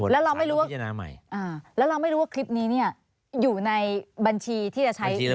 แล้วเราไม่รู้ว่าคลิปนี้เนี่ยอยู่ในบัญชีที่จะใช้หรือไม่